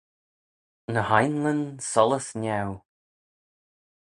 Ny h-ainlyn sollys niau.